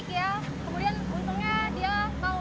kemudian untungnya dia mau